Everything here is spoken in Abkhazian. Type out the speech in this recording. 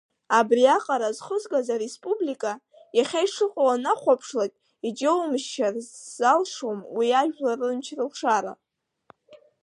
Абри аҟара зхызгаз ареспублика, иахьа ишыҟоу уанахәаԥшлак иџьоумшьарц залшом уи ажәлар рымч-рылшара.